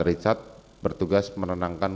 richard bertugas menenangkan